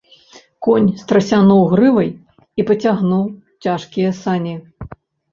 Конь страсянуў грываю і пацягнуў цяжкія сані.